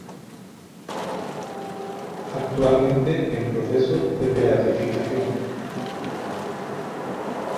Actualmente en proceso de beatificación.